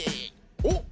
おっ。